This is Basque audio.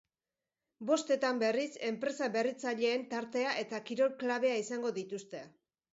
Bostetan, berriz, enpresa berritzaileen tartea eta kirol klabea izango dituzte.